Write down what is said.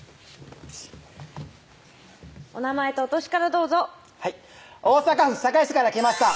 お名前とお歳からどうぞはい大阪府堺市から来ました